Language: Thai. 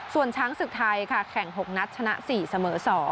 ส่วนช้างศึกไทยค่ะแข่ง๖นัดชนะ๔เสมอ๒